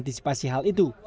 kondisi pasih hal itu